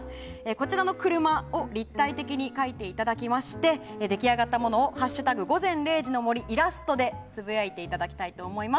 こちらの車を立体的に描いていただきまして出来上がったものを「＃午前０時の森イラスト」でつぶやいていただきたいと思います。